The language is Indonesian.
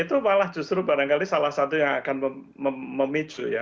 itu malah justru barangkali salah satu yang akan memicu ya